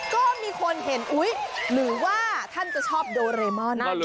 ก็มีคนเห็นอุ๊ยหรือว่าท่านจะชอบโดเรมอลนะ